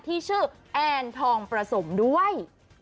ที่ชื่อแอนทองประสมด้วย